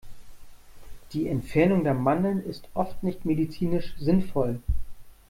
Die Entfernung der Mandeln ist oft nicht medizinisch sinnvoll.